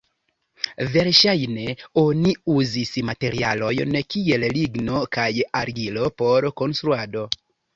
Verŝajne oni uzis materialojn kiel ligno kaj argilo por konstruado.